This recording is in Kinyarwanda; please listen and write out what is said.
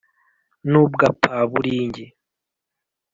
N'ubwapaburingi;